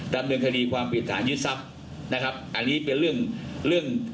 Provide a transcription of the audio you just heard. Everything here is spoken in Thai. ดำเนินคดีความผิดฐานยึดทรัพย์นะครับอันนี้เป็นเรื่องเรื่อง